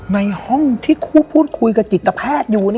ในห้องที่คู่พูดคุยกับจิตแพทย์อยู่เนี่ย